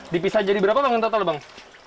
dipisah jadi berapa bang total bang